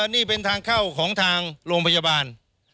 นี่เป็นทางเข้าของทางโรงพยาบาล